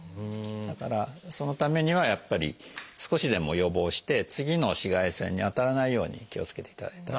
だからそのためにはやっぱり少しでも予防して次の紫外線に当たらないように気をつけていただきたいと。